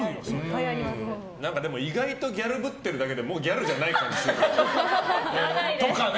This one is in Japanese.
でも意外とギャルぶってるだけでもうギャルじゃないかもしれない。とかね